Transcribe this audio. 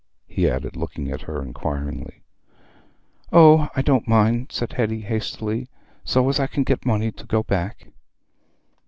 he added, looking at her inquiringly. "Oh, I don't mind," said Hetty, hastily, "so as I can get money to go back."